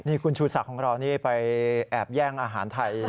นี่คุณชูศักดิ์ของเรานี่ไปแอบแย่งอาหารไทย